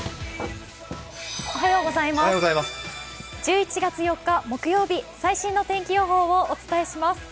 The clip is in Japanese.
１１月４日木曜日、最新の天気予報をお伝えします。